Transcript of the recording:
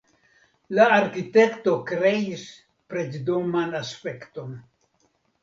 La arkitekto kreis preĝdoman aspekton.